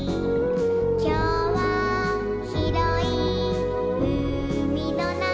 「きょうはひろいうみのなか」